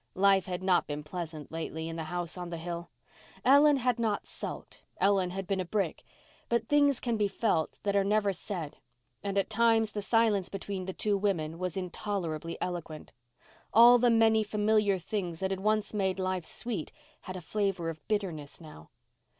Life had not been pleasant lately in the house on the hill. Ellen had not sulked—Ellen had been a brick. But things can be felt that are never said and at times the silence between the two women was intolerably eloquent. All the many familiar things that had once made life sweet had a flavour of bitterness now.